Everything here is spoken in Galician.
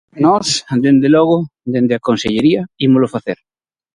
Nós, dende logo, dende a Consellería, ímolo facer.